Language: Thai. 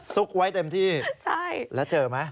ไว้เต็มที่แล้วเจอไหม